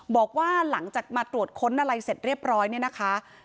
บอกว่าหลังจากมาตรวจค้นอะไรเสร็จเรียบร้อยเนี่ยนะคะ